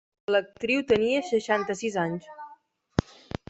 L'actriu tenia seixanta-sis anys.